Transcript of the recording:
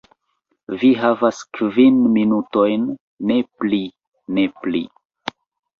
Vi havas kvin minutojn. Ne pli. Ne pli."